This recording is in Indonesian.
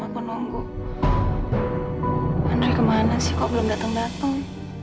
kemana sih kok belum datang datang